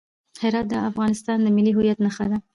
هرات د افغانستان د ملي هویت نښه ده.